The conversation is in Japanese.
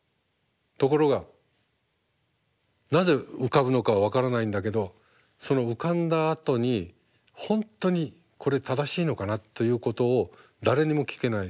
ところがなぜ浮かぶのかは分からないんだけどその浮かんだあとに本当にこれ正しいのかなということを誰にも聞けない。